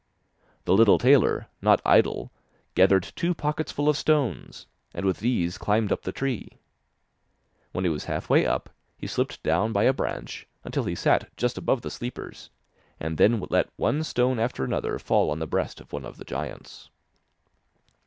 The little tailor, not idle, gathered two pocketsful of stones, and with these climbed up the tree. When he was halfway up, he slipped down by a branch, until he sat just above the sleepers, and then let one stone after another fall on the breast of one of the giants.